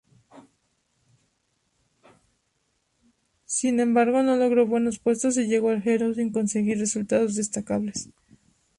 Sin embargo, no logró buenos puestos y llegó al Giro sin conseguir resultados destacables.